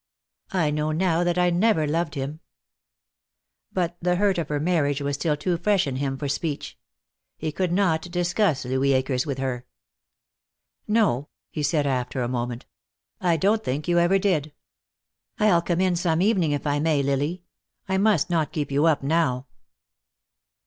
"I know now that I never loved him." But the hurt of her marriage was still too fresh in him for speech. He could not discuss Louis Akers with her. "No," he said, after a moment, "I don't think you ever did. I'll come in some evening, if I may, Lily. I must not keep you up now."